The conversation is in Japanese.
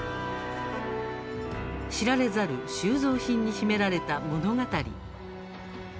知られざる収蔵品に秘められた「モノがたり」。